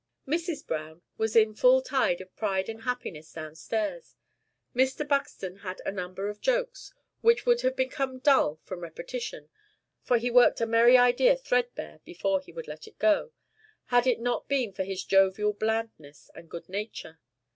Mrs. Browne was in full tide of pride and happiness down stairs. Mr. Buxton had a number of jokes; which would have become dull from repetition (for he worked a merry idea threadbare before he would let it go), had it not been for his jovial blandness and good nature.